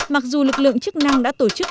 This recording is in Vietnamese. mặc dù lực lượng chức năng đã tổ chức